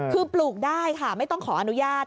คือปลูกได้ค่ะไม่ต้องขออนุญาต